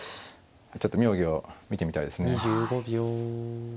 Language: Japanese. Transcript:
ちょっと妙技を見てみたいですね。